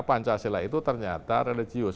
pancasila itu ternyata religious